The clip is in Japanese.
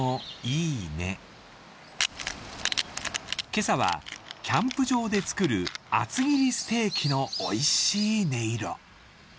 今朝はキャンプ場で作る厚切りステーキのおいしい音色。